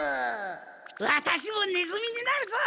ワタシもネズミになるぞ！